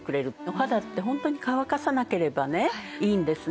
お肌ってホントに乾かさなければねいいんですね。